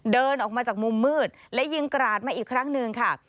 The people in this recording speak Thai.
เดินออกมาจากมุมมืดและยิงกราดมาอีกครั้งหนึ่งค่ะ